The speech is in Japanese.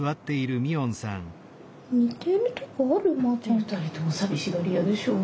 ２人とも寂しがり屋でしょう。